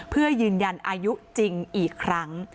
เพื่อยืนยันอายุจริงอีกครั้ง